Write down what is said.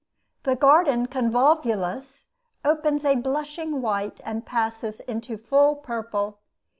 The garden convolvulus opens a blushing white and passes into full purple.